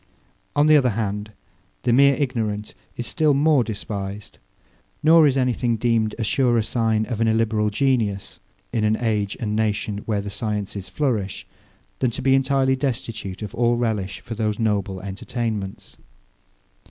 On the other hand, the mere ignorant is still more despised; nor is any thing deemed a surer sign of an illiberal genius in an age and nation where the sciences flourish, than to be entirely destitute of all relish for those noble entertainments.